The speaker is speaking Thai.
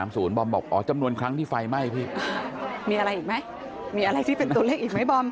บอมบอกอ๋อจำนวนครั้งที่ไฟไหม้พี่มีอะไรอีกไหมมีอะไรที่เป็นตัวเลขอีกไหมบอม